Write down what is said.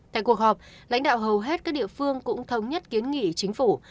tại cuộc họp lãnh đạo hầu hết các địa phương cũng thống nhất kiến nghị chính phủ